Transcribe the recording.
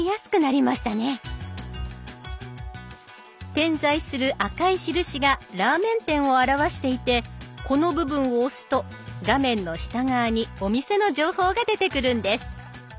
点在する赤い印がラーメン店を表していてこの部分を押すと画面の下側にお店の情報が出てくるんです。